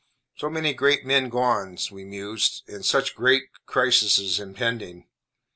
So many great men gone, we mused, and such great crises impending!